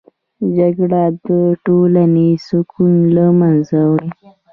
جګړه د ټولنې سکون له منځه وړي